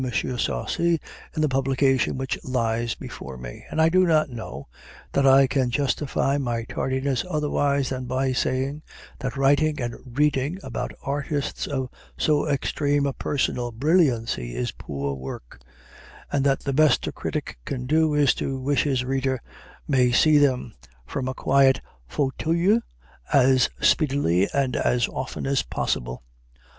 Sarcey in the publication which lies before me; and I do not know that I can justify my tardiness otherwise than by saying that writing and reading about artists of so extreme a personal brilliancy is poor work, and that the best the critic can do is to wish his reader may see them, from a quiet fauteuil, as speedily and as often as possible.